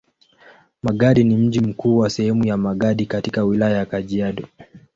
Magadi ni mji mkuu wa sehemu ya Magadi katika Wilaya ya Kajiado.